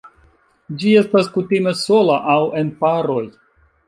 Ĝi estas kutime sola aŭ en paroj.